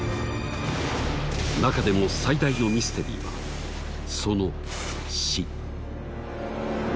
中でも最大のミステリーはその「死」。